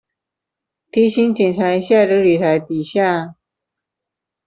提醒檢查一下流理台底下